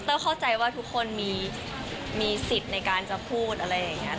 เข้าใจว่าทุกคนมีสิทธิ์ในการจะพูดอะไรอย่างนี้